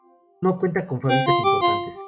No cuenta con fábricas importantes.